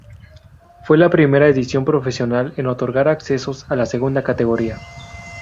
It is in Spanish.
Fue la primera edición profesional en otorgar ascensos a la segunda categoría.